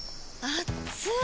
あっつい！